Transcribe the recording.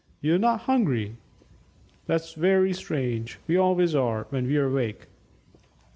You're not hungry? That's very strange. We always are when we're awake!"